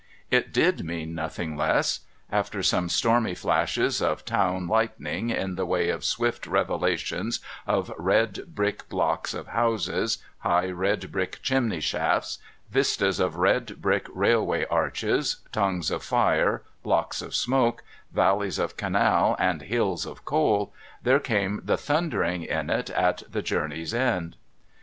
It did mean nothing less. After some stormy flashes of town lightning, in the way of swift revelations of red brick blocks of houses, high red brick chimney shafts, vistas of red brick railway arches, tongues of fire, blocks of smoke, valleys of canal, and hills of coal, there came the thundering in at the journey's end.